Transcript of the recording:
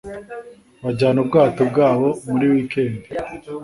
Bajyana ubwato bwabo muri wikendi.